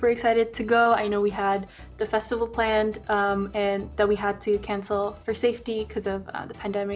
saya tahu kami telah memiliki rencana festival dan kami harus menghentikan festival untuk keamanan karena pandemi